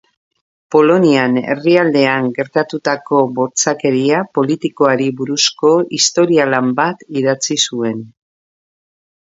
Polonian herrialdean gertatutako bortxakeria politikoari buruzko historia-lan bat idatzi zuen.